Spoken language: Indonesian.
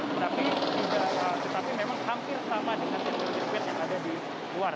tetapi memang hampir sama dengan sirkuit sirkuit yang ada di luar